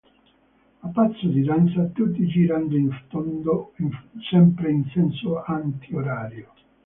A passo di danza tutti girando in tondo sempre in senso antiorario.